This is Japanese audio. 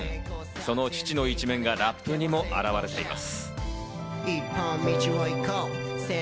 その父の一面がラップにも表れています。